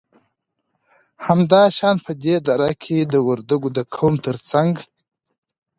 همدا شان په دې دره کې د وردگو د قوم تر څنگ